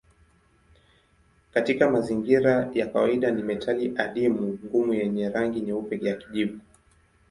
Katika mazingira ya kawaida ni metali adimu ngumu yenye rangi nyeupe ya kijivu.